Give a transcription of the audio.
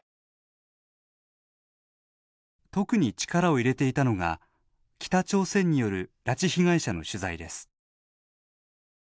特に力を入れていたのが北朝鮮による拉致被害者の取材です。